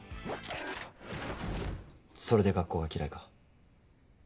それで学校が嫌いか。